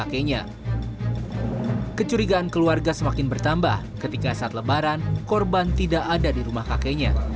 kecurigaan keluarga semakin bertambah ketika saat lebaran korban tidak ada di rumah kakeknya